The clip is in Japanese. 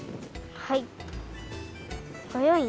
はい。